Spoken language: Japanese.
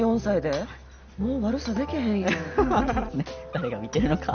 誰が見てるのか。